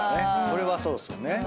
それはそうっすよね。